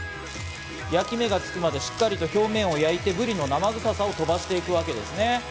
焼き目がつくまでしっかりと表面を焼いてブリの生臭さを飛ばしていくわけですね。